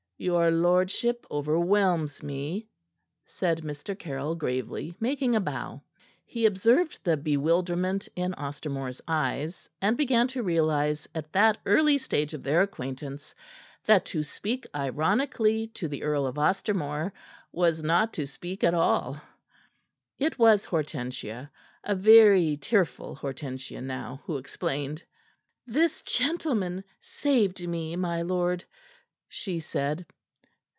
"Your lordship overwhelms me," said Mr. Caryll gravely, making a bow. He observed the bewilderment in Ostermore's eyes, and began to realize at that early stage of their acquaintance that to speak ironically to the Earl of Ostermore was not to speak at all. It was Hortensia a very tearful Hortensia now who explained. "This gentleman saved me, my lord," she said.